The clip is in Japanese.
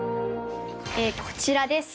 こちらです。